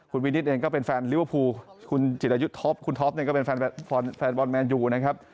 คุณวินิตเองก็เป็นแฟนลิเวอร์พูลคุณจิรายุทธ์ท็อปคุณท็อปเนี่ยก็เป็นแฟนบอลแมนยูนะครับ